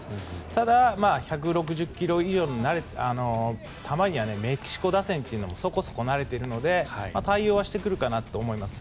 ただ、１６０ｋｍ以上の球にはメキシコ打線もそこそこ慣れているので対応はしてくるかなと思います。